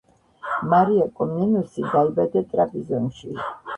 მარია კომნენოსი დაიბადა ტრაპიზონში.